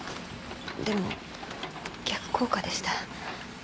でも逆効果でした。